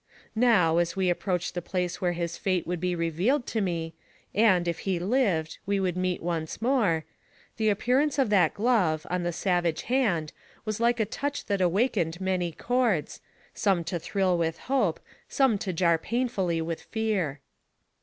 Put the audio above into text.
Now, as we approached the place where his fate would be revealed to me, and, if he lived, we would meet once more, the appearance of that glove, on the savage hand, was like a touch that awakened many chords, some to thrill with hope, some to jar painfully with fear.